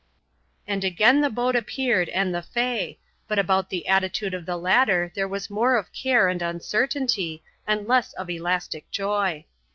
And again the boat appeared and the Fay; but about the attitude of the latter there was more of care and uncertainty and less of elastic joy.